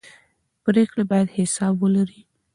پرېکړې باید حساب ولري